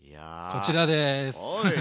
こちらです。